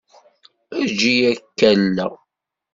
Eǧǧ-iyi ad k-alleɣ.